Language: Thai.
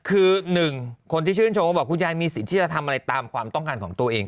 คือหนึ่งคนที่ชื่นชมก็บอกคุณยายมีสิทธิ์ที่จะทำอะไรตามความต้องการของตัวเอง